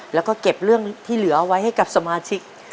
แล้วก็เก็บเรื่องที่เหลือไว้ให้กับสมาชิก